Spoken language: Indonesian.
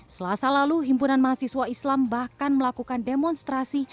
selasa lalu himpunan mahasiswa islam bahkan melakukan demonstrasi